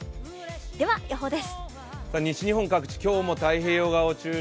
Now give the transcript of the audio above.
では、予報です。